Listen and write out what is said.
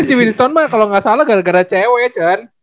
itu si winston mah kalo gak salah gara gara cewe ya cun